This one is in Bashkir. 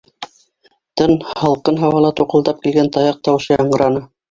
Тын, һалҡын һауала туҡылдап килгән таяҡ тауышы яңғыраны.